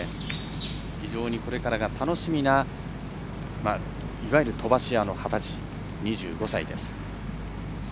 非常にこれからが楽しみないわゆる、飛ばし屋の幡地２５歳です。